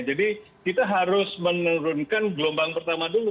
jadi kita harus menurunkan gelombang pertama dulu